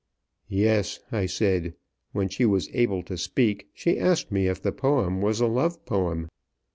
"Yes," I said; "when she was able to speak, she asked me if the poem was a love poem."